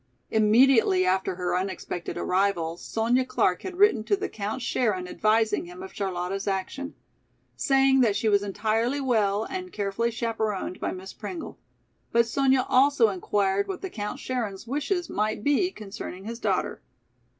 Immediately after her unexpected arrival, Sonya Clark had written to the Count Scherin advising him of Charlotta's action, saying that she was entirely well and carefully chaperoned by Miss Pringle. But Sonya also inquired what the Count Scherin's wishes might be concerning his daughter.